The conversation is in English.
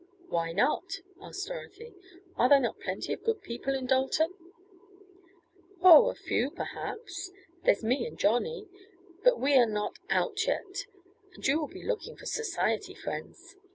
"Why not?" asked Dorothy. "Are there not plenty of good people in Dalton?" "Oh, a few, perhaps. There's me and Johnnie but we are not 'out' yet, and you will be looking for society friends.